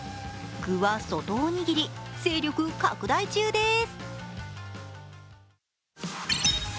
具は外おにぎり、勢力拡大中です。